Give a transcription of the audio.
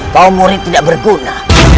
kau murid tidak berguna